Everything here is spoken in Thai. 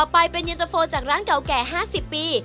ไปเป็นเย็นตะโฟจากร้านเก่าแก่๕๐ปี